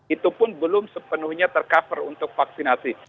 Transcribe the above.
itu pun belum sepenuhnya tercover untuk vaksinasi